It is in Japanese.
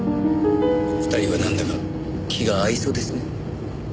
２人はなんだか気が合いそうですね。